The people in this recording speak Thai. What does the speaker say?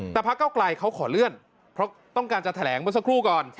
แต่พระเก้าไกลเขาขอเลื่อนเพราะต้องการจะแถลงเมื่อสักครู่ก่อน